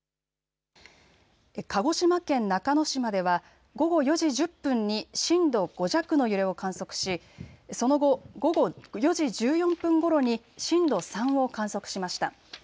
鹿児島県中之島では午後４時１０分に震度５弱の揺れを観測しその後、午後４時１４分ごろに震度３を観測しました。